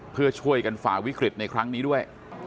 เพื่อช่วยกันฝ่าวิกฤตในครั้งนี้ด้วย